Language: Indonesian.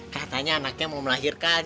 katanya anaknya mau melahirkan